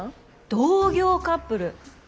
同業カップル。